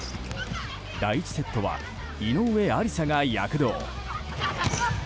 第１セットは井上愛里沙が躍動。